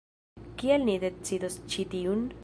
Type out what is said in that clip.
Kiel ni decidos ĉi tiun?